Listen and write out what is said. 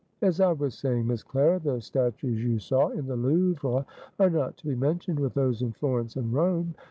As I was saying, Miss Clara, the statues you saw in the Louvre are not to be mentioned with those in Florence and Rome.